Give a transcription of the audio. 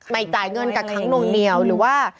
ไม่ตายเงินกับค้างโรงเหนียวหรือว่า